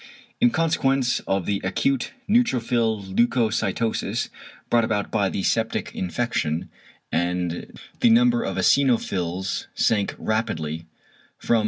In consequence of the acute neutrophil leucocytosis brought about by the septic infection, the number of eosinophils sank rapidly from 3.